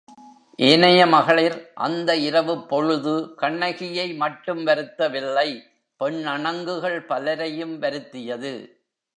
ஏனைய மகளிர் அந்த இரவுப்பொழுது கண்ணகியை மட்டும் வருத்தவில்லை பெண்ணணங்குகள் பலரையும் வருத்தியது.